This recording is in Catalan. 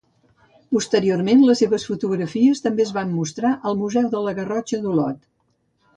Posteriorment les seves fotografies també es van mostrar al Museu de la Garrotxa d'Olot.